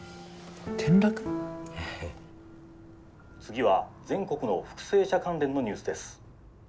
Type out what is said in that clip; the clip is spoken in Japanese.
「次は全国の復生者関連のニュースです」。